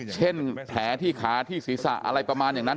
เช่นแผลที่ขาที่ศีรษะอะไรประมาณอย่างนั้น